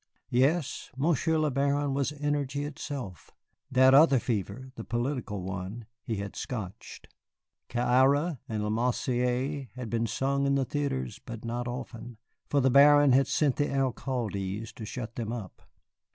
Yes, Monsieur le Baron was energy itself. That other fever the political one he had scotched. "Ça Ira" and "La Marseillaise" had been sung in the theatres, but not often, for the Baron had sent the alcaldes to shut them up.